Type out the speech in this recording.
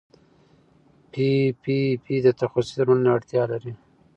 پي پي پي د تخصصي درملنې اړتیا لري.